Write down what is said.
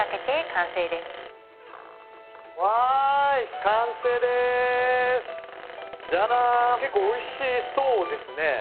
結構おいしそうですね。